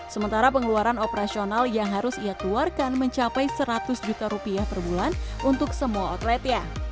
sementara pengeluaran operasional yang harus ia keluarkan mencapai seratus juta rupiah per bulan untuk semua outletnya